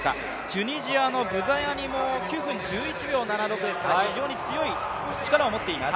チュニジアのブザヤニも９分１１秒７６ですから、非常に強い力を持っています。